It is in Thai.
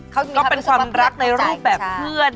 ก็เป็นความรักในรูปแบบเพื่อน